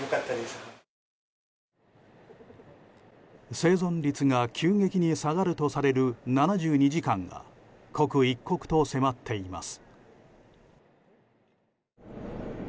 生存率が急激に下がるとされる７２時間が刻一刻と迫っています。